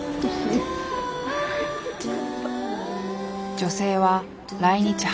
女性は来日８年。